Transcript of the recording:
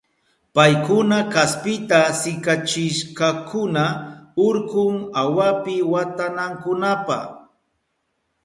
Paykuna kaspita sikachishkakuna urkun awapi watanankunapa.